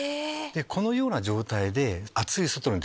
このような状態で。